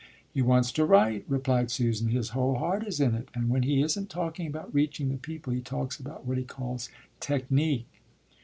"He wants to write," replied Susan. "His whole heart is in it, and when he isn't talking about reaching the people, he talks about what he calls 'technique.'"